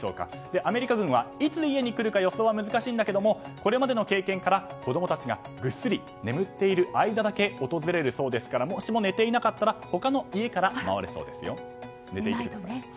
アメリカ軍は、いつ家に来るか予想は難しいがこれまでの経験から、子供たちがぐっすり眠っている間だけ訪れるそうですからもし寝ていなかったら他の家から回るそうですよ。